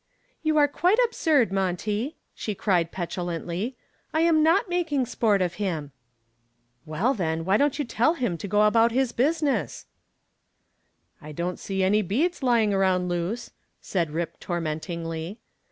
"You are quite absurd, Monty," she cried, petulantly. "I am not making sport of him." "Well, then, why don't you tell him to go about his business?" "I don't see any beads lying around loose," said "Rip" tormentingly.